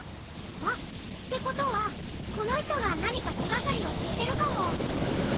あっ！ってことはこのひとがなにかてがかりをしってるかも！